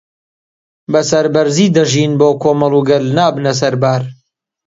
بەسەربەرزی دەژین بۆ کۆمەڵ و گەل نابنە سەربار